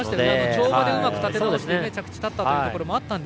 跳馬でうまく立て直して着地を立ったというところもありました。